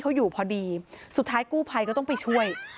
เขาอยู่พอดีสุดท้ายกู้ภัยก็ต้องไปช่วย